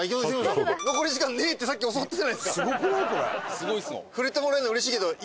すごいっす。